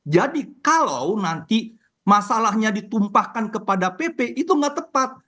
jadi kalau nanti masalahnya ditumpahkan kepada pp itu nggak tepat